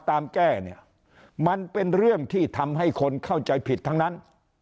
แก้เนี่ยมันเป็นเรื่องที่ทำให้คนเข้าใจผิดทั้งนั้น